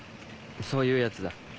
そういうヤツだ。